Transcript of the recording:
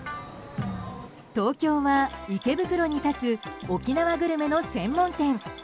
東京は池袋に立つ沖縄グルメの専門店。